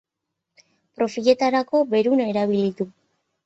Profiletarako beruna erabili du.